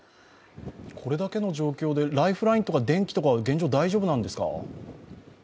これだけの状況でライフラインとか、電気とかは現状大丈夫なんですか？